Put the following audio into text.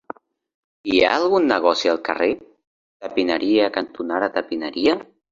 Hi ha algun negoci al carrer Tapineria cantonada Tapineria?